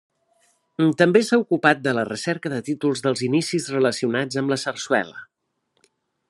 També s'ha ocupat de la recerca de títols dels inicis relacionats amb la sarsuela.